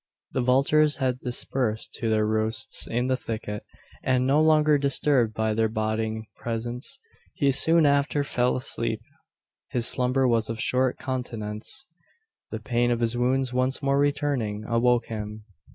The vultures had dispersed to their roosts in the thicket; and, no longer disturbed by their boding presence, he soon after fell asleep. His slumber was of short continuance. The pain of his wounds, once more returning, awoke him.